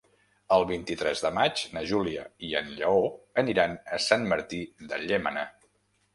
El vint-i-tres de maig na Júlia i en Lleó aniran a Sant Martí de Llémena.